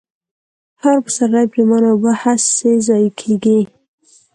هر پسرلۍ پرېمانه اوبه هسې ضايع كېږي،